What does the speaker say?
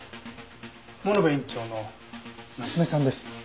物部院長の娘さんです。